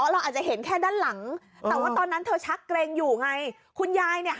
โมไหนไหนได้